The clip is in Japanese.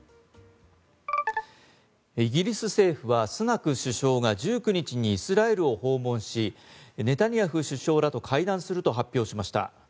イギリス政府はスナク首相が１９日にイスラエルを訪問しネタニヤフ首相らと会談すると発表しました。